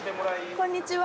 こんにちは！